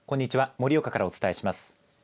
盛岡からお伝えします。